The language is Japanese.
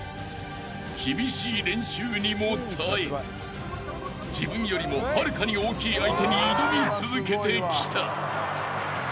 ［厳しい練習にも耐え自分よりもはるかに大きい相手に挑み続けてきた］